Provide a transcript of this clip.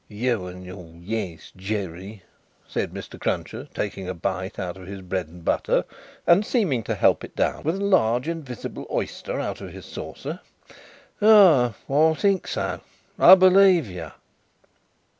"You and your yes, Jerry," said Mr. Cruncher, taking a bite out of his bread and butter, and seeming to help it down with a large invisible oyster out of his saucer. "Ah! I think so. I believe you."